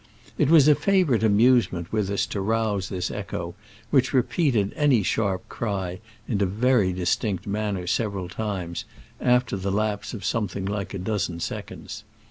It was a favorite amusement with us to rouse this echo, which repeated any sharp cry in a very distinct manner several times, after the lapse of something like a dozen seconds.